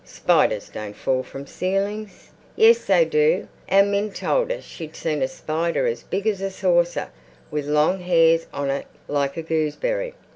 "Spiders don't fall from ceilings." "Yes, they do. Our Min told us she'd seen a spider as big as a saucer, with long hairs on it like a gooseberry."